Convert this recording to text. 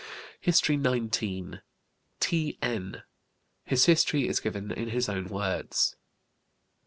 HISTORY XIX. T.N. His history is given in his own words.